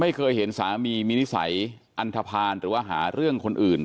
ไม่เคยเห็นสามีมีนิสัยอันทภาณหรือว่าหาเรื่องคนอื่น